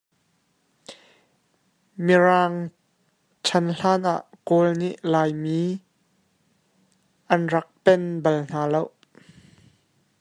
Mirang chan hlan ah Kawl nih Laimi an rak peng bal hna lo.